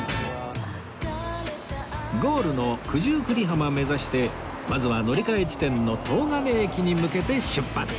ゴールの九十九里浜目指してまずは乗り換え地点の東金駅に向けて出発